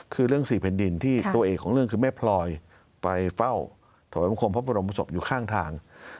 คือเรื่องสี่แผ่นดินที่ตัวเอกของเรื่องคือแม่พลอยไปเฝ้าถวายบังคมพระบรมศพอยู่ข้างทาง